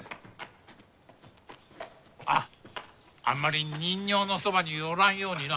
あっあんまり人形のそばに寄らんようにな。